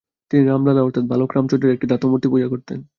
তিনি ‘রামলালা’ অর্থাৎ বালক রামচন্দ্রের একটি ধাতুমূর্তি পূজা করতেন।